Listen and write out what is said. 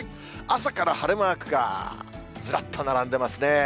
朝から晴れマークがずらっと並んでますね。